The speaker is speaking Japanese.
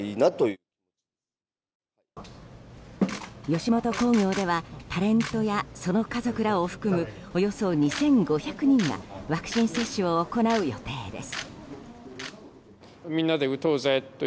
吉本興業では、タレントやその家族らを含む今後およそ２５００人がワクチン接種を行う予定です。